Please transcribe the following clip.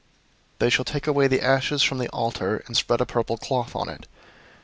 004:013 They shall take away the ashes from the altar, and spread a purple cloth on it.